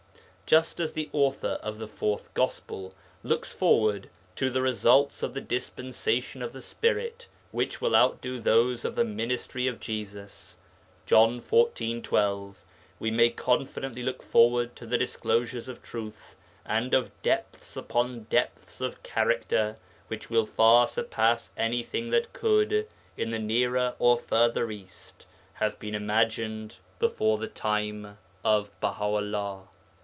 Just as the author of the Fourth Gospel looks forward to results of the Dispensation of the Spirit which will outdo those of the Ministry of Jesus (John xiv. 12), so we may confidently look forward to disclosures of truth and of depths upon depths of character which will far surpass anything that could, in the Nearer or Further East, have been imagined before the time of Baha 'ullah.